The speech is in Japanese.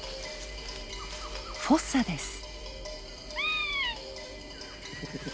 フォッサです。